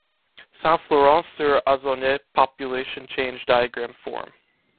Saint-Florent-sur-Auzonnet Population Change Diagram Form